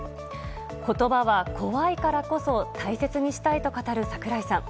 言葉は怖いからこそ大切にしたいと語る櫻井さん。